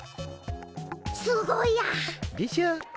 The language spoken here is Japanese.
すごいや！でしょ。